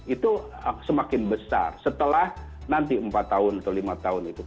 itu semakin besar setelah nanti empat tahun atau lima tahun itu